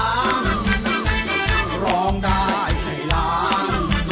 และเราก็ร้องได้ให้ล้าน